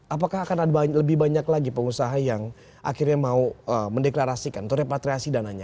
apakah akan ada lebih banyak lagi pengusaha yang akhirnya mau mendeklarasikan atau repatriasi dananya